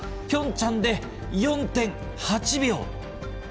ピョンチャンで４．８秒。